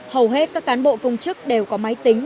hầu hết các cán bộ công chức đều có máy tính